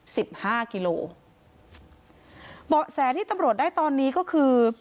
สิบห้ากิโลเบาะแสที่ตำรวจได้ตอนนี้ก็คือ